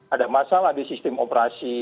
ada masalah di sistem operasi